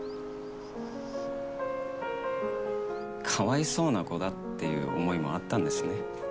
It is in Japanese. かわいそうな子だっていう思いもあったんですね。